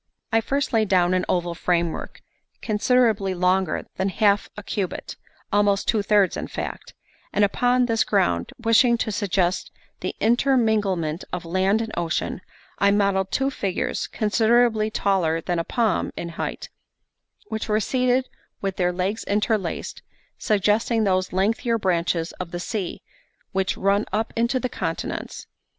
I first laid down an oval framework, considerably longer than half a cubit almost two thirds, in fact; and upon this ground, wishing to suggest the interminglement of land and ocean, I modelled two figures, considerably taller than a palm in height, which were seated with their legs interlaced, suggesting those lengthier branches of the sea which run up into the continents.